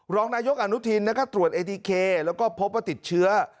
รองนายกอนุทินตรวจเอทีเคแล้วก็พบว่าติดเชื้อ